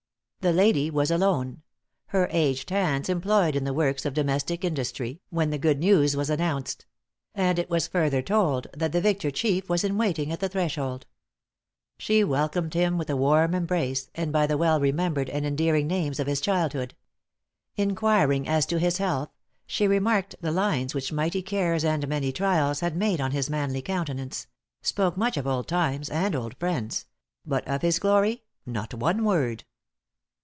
"The lady was alone her aged hands employed in the works of domestic industry, when the good news was announced; and it was further told, that the victor chief was in waiting at the threshold. She welcomed him with a warm embrace, and by the well remembered and endearing names of his childhood. Inquiring as to his health, she remarked the lines which mighty cares, and many trials, had made on his manly countenance spoke much of old times, and old friends; but of his glory, _not one word!